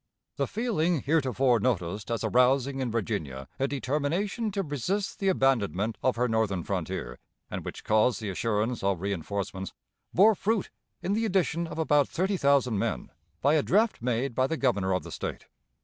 The feeling heretofore noticed as arousing in Virginia a determination to resist the abandonment of her northern frontier, and which caused the assurance of reënforcements, bore fruit in the addition of about thirty thousand men, by a draft made by the Governor of the State.